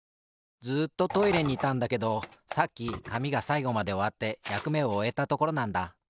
ずっとトイレにいたんだけどさっきかみがさいごまでおわってやくめをおえたところなんだ。